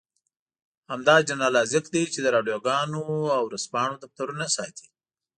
همدا جنرال رازق دی چې د راډيوګانو او ورځپاڼو دفترونه ساتي.